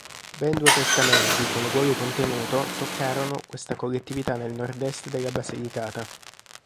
Ben due testamenti, con uguale contenuto, toccarono, questa collettività nel Nord-Est della Basilicata.